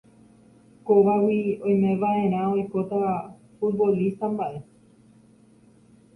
Kóvagui oimeva'erã oikóta futbolista mba'e